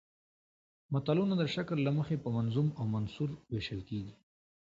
متلونه د شکل له مخې په منظوم او منثور ویشل کېږي